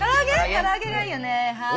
から揚げがいいよねはい。